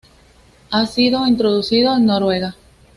Ha sido introducido en Noruega.